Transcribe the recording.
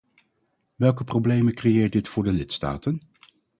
Welke problemen creëert dit voor de lidstaten?